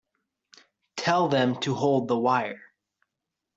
Tell them to hold the wire.